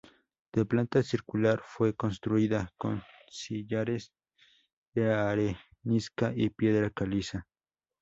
De planta circular, fue construida con sillares de arenisca y piedra caliza.